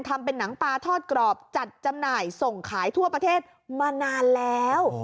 ทำเป็นหนังปลาทอดกรอบจัดจำหน่ายส่งขายทั่วประเทศมานานแล้ว